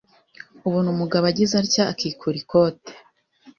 ubona umugabo agiza atya akikura ikote